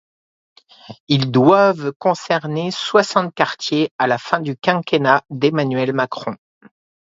Ils doivent concernés soixante quartiers à la fin du quinquennat d'Emmanuel Macron.